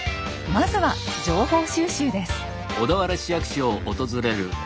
まずは情報収集です。